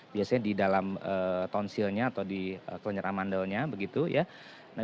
biasanya di dalam tonsilnya atau di kenyara mandalnya begitu ya